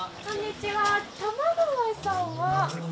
玉川さんは。